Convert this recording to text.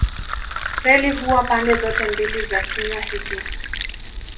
Reli huwa pande zote mbili za kinywa hiki.